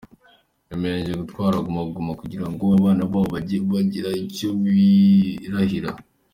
Bemeranyije gutwara Guma Guma kugirango abana babo bajye bagira icyo birahira.